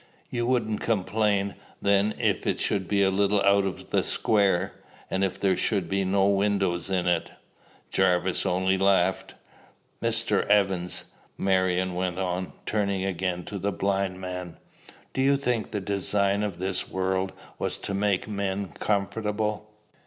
"You wouldn't complain, then, if it should be a little out of the square, and if there should be no windows in it?" Jarvis only laughed. "Mr. Evans," Marion went on, turning again to the blind man, "do you think the design of this world was to make men comfortable?"